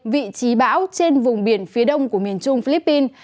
vị trí bão trên vùng biển phía đông của miền trung philippines